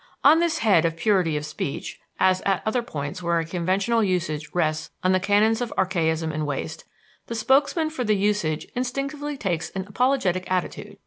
On this head of purity of speech, as at other points where a conventional usage rests on the canons of archaism and waste, the spokesmen for the usage instinctively take an apologetic attitude.